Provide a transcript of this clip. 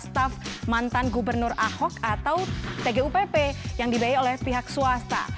staf mantan gubernur ahok atau tgupp yang dibiayai oleh pihak swasta